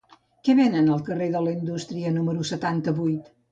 Què venen al carrer de la Indústria número setanta-vuit?